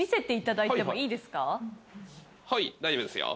はい大丈夫ですよ。